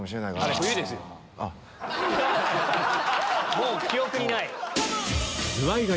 もう記憶にない。